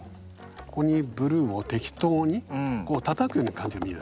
ここにブルーを適当にこうたたくような感じでもいいです。